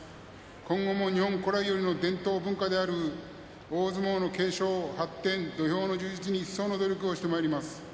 今後も、日本古来よりの伝統文化である、大相撲の継承、発展、土俵の充実に一層の努力をしてまいります。